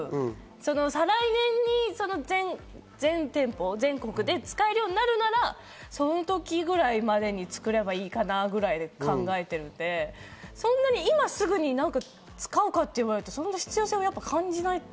再来年に全店舗、全国で使えるようになるならその時ぐらいまでに作ればいいかなぁぐらいで考えてるので、そんなに今すぐに使うかって言われたら必要性を感じない。